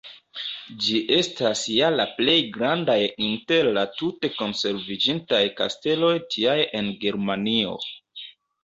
Ĝi estas ja la plej grandaj inter la tute konserviĝintaj kasteloj tiaj en Germanio.